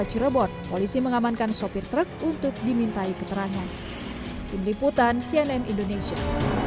cirebon polisi mengamankan sopir truk untuk dimintai keterangan tim liputan cnn indonesia